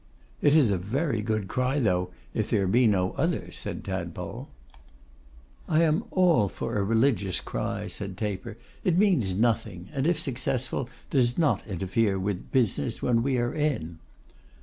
'It is a very good cry though, if there be no other,' said Tadpole. 'I am all for a religious cry,' said Taper. 'It means nothing, and, if successful, does not interfere with business when we are in.